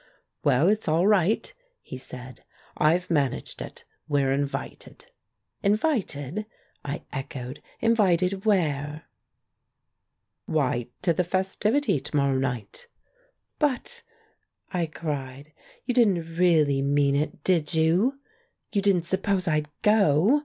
"Well, it's all right," he said; "I've managed it. We're invited." "Invited?" I echoed. "Invited where?" 214 THE MAN WHO UNDERSTOOD WOMEN "Why, to the festivity to morrow night." "But," I cried, "you didn't really mean it, did you? You didn't suppose I'd go?